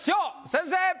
先生！